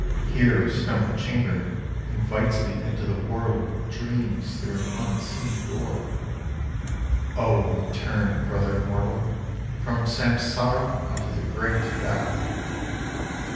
— here a stone chamber invites thee into the world of dreams through an unseen door. O return, brother mortal, from Samsara unto the great Valley